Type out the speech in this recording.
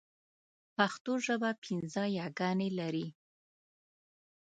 پښتو ژبه پنځه ی ګانې لري.